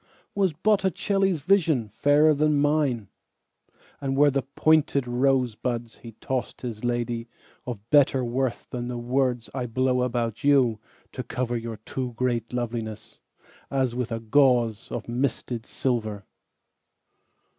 Was Botticelli's visionFairer than mine; And were the pointed rosebudsHe tossed his ladyOf better worthThan the words I blow about youTo cover your too great lovelinessAs with a gauzeOf misted silver?